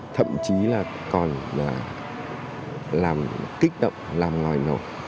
thậm chí là còn là làm kích động làm ngòi nổ